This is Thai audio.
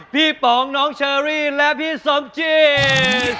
ป๋องน้องเชอรี่และพี่สมจิต